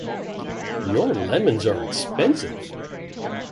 Your lemons are expensive.